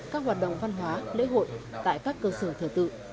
các hoạt động văn hóa lễ hội tại các cơ sở thờ tự